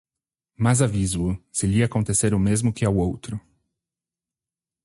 Mas aviso-o: se lhe acontecer o mesmo que ao outro